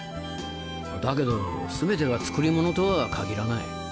だけど全てが作り物とは限らない。